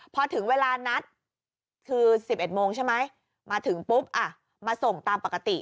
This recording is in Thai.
พอถึงเวลานัดคือ๑๑โมงใช่ไหมมาถึงปุ๊บอ่ะมาส่งตามปกติ